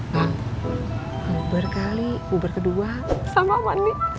bang aku puber kali puber kedua sama andi